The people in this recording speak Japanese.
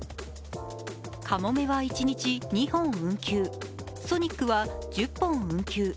かもめは一日２本運休、ソニックは１０本運休。